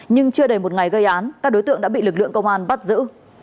nhưng chưa đầy một ngày gây án các đối tượng đã bị lực lượng công an bắt giữ